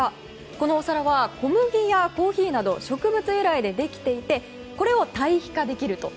このお皿は小麦やコーヒーなど植物由来でできていて、これをたい肥化できると。